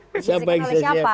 disiasiakan oleh siapa